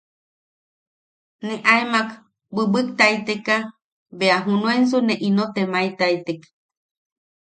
Ne aemak bwibwiktaiteka bea junensu ne ino temaetaitek.